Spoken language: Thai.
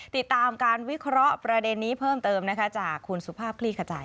ติดตามการวิเคราะห์ประเด็นนี้เพิ่มเติมนะคะจากคุณสุภาพคลี่ขจาย